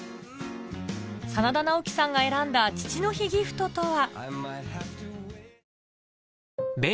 真田ナオキさんが選んだ父の日ギフトとは？